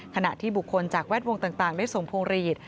ขณะที่บุคคลจากแวดวงต่างได้ส่งพวงหลีด